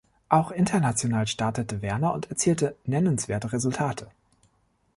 Auch international startete Werner und erzielte nennenswerte Resultate.